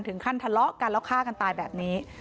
ถึงขั้นทะเลาะกันแล้วฆ่ากันตายแบบนี้